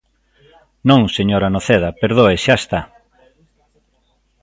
Non, señora Noceda, perdoe, xa está.